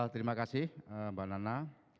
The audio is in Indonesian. terima kasih mbak nana